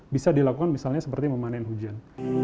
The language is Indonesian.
bisa dilakukan misalnya seperti memanen hujan